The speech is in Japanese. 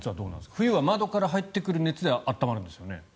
冬は窓から入ってくる熱で暖まるんですよね。